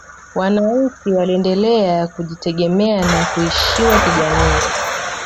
wanachi waliendelea kujitegemea na kuishiwa kijamaa